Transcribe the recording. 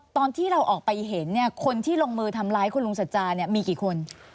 ตอนที่เราออกไปเห็นคนที่ลงมือทำร้ายคุณลุงสัจจาเนี่ยมีกี่คน